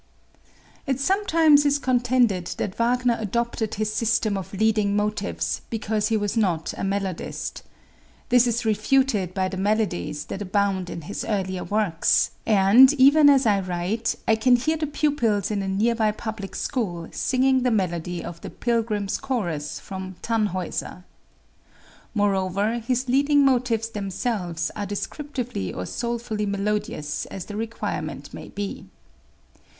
It sometimes is contended that Wagner adopted his system of leading motives because he was not a melodist. This is refuted by the melodies that abound in his earlier works; and, even as I write, I can hear the pupils in a nearby public school singing the melody of the "Pilgrim's Chorus" from "Tannhäuser." Moreover, his leading motives themselves are descriptively or soulfully melodious as the requirement may be.